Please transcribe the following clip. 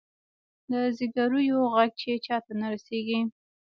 د زګیرویو ږغ یې چاته نه رسیږې